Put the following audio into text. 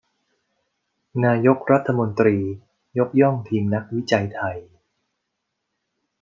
นายกรัฐมนตรียกย่องทีมนักวิจัยไทย